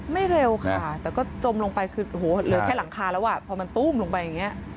เร็วค่ะแต่ก็จมลงไปคือโอ้โหเหลือแค่หลังคาแล้วอ่ะพอมันตู้มลงไปอย่างนี้